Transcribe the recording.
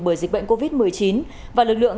bởi dịch bệnh covid một mươi chín và lực lượng